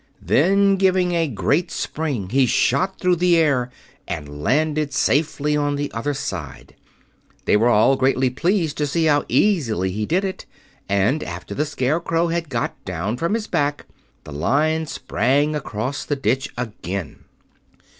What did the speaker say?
Then giving a great spring, he shot through the air and landed safely on the other side. They were all greatly pleased to see how easily he did it, and after the Scarecrow had got down from his back the Lion sprang across the ditch again.